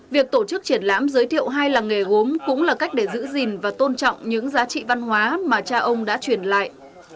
việc tổ chức triển lãm giới thiệu hai làng nghề gốm cũng là cách để giữ gìn và tôn trọng những giá trị văn hóa mà cha ông đã truyền lại